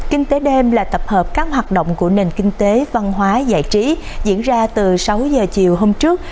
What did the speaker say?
kinh tế đêm là tập hợp các hoạt động của nền kinh tế văn hóa giải trí diễn ra từ sáu giờ chiều hôm trước